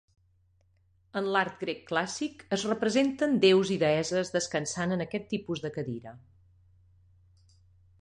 En l'art grec clàssic es representen déus i deesses descansant en aquest tipus de cadira.